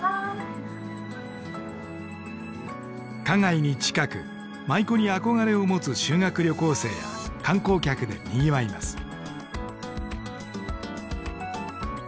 花街に近く舞妓に憧れを持つ修学旅行生や観光客でにぎわいます。